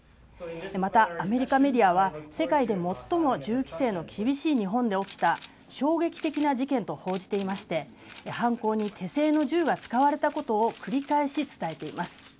またアメリカメディアは世界で最も銃規制の厳しい日本で起きた衝撃的な事件と報じていまして犯行に手製の銃が使われたことを繰り返し伝えています。